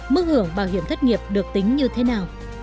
mức hưởng bảo hiểm thất nghiệp được tính như thế nào